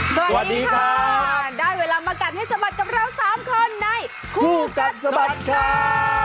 สวัสดีค่ะได้เวลามากัดให้สะบัดกับเรา๓คนในคู่กัดสะบัดข่าว